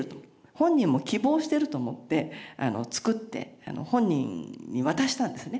本人も希望してると思って作って本人に渡したんですね。